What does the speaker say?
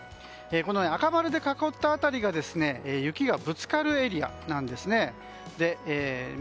赤丸で囲った辺りが雪がぶつかるエリアなんですね。